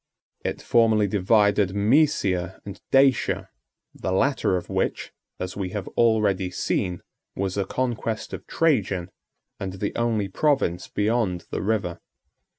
81 It formerly divided Mæsia and Dacia, the latter of which, as we have already seen, was a conquest of Trajan, and the only province beyond the river.